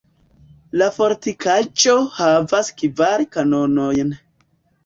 La fortikaĵo havas kvar kanonojn.